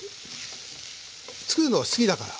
つくるのが好きだから。